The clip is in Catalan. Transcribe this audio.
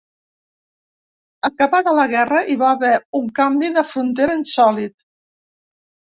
Acabada la guerra, hi va haver un canvi de frontera insòlit.